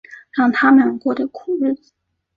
让他们过着苦日子